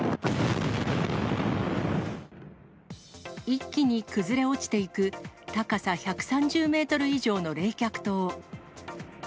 一気に崩れ落ちていく、高さ１３０メートル以上の冷却塔。